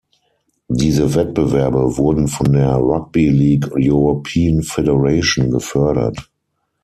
Diese Wettbewerbe wurden von der Rugby-League European Federation gefördert.